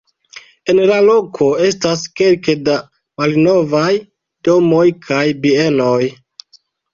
En la loko estas kelke da malnovaj domoj kaj bienoj.